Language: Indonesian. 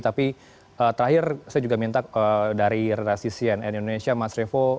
tapi terakhir saya juga minta dari redaksi cnn indonesia mas revo